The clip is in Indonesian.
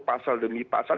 pasal demi pasal